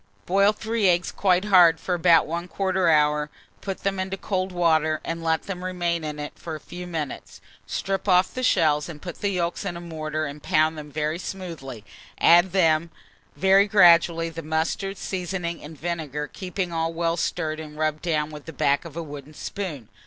Boil 3 eggs quite hard for about 1/4 hour, put them into cold water, and let them remain in it for a few minutes; strip off the shells, put the yolks in a mortar, and pound them very smoothly; add to them, very gradually, the mustard, seasoning, and vinegar, keeping all well stirred and rubbed down with the back of a wooden spoon.